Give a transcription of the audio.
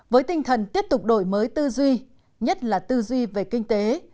với tinh thần tiếp tục đổi mới tư duy nhất là tư duy về kinh tế